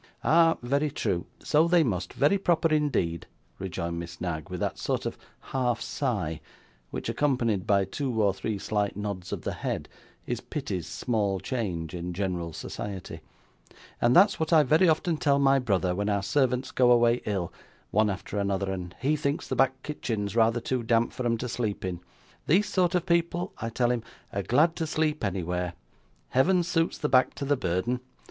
'Ah! very true, so they must; very proper indeed!' rejoined Miss Knag with that sort of half sigh, which, accompanied by two or three slight nods of the head, is pity's small change in general society; 'and that's what I very often tell my brother, when our servants go away ill, one after another, and he thinks the back kitchen's rather too damp for 'em to sleep in. These sort of people, I tell him, are glad to sleep anywhere! Heaven suits the back to the burden.